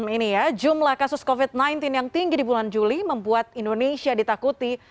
ini ya jumlah kasus covid sembilan belas yang tinggi di bulan juli membuat indonesia ditakuti